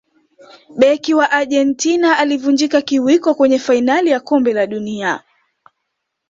beki wa argentina alivunjika kiwiko kwenye fainali ya kombe la dunia